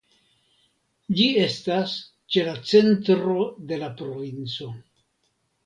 Ĝi estas ĉe la centro de la provinco.